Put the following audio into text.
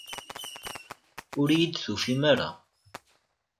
Ur iyi-d-tufim ara.